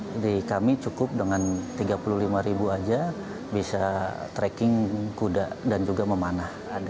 jadi kami cukup dengan rp tiga puluh lima saja bisa tracking kuda dan juga memanah